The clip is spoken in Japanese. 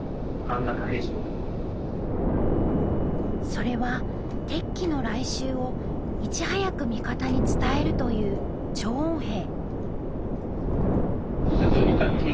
それは敵機の来襲をいち早く味方に伝えるという「聴音兵」。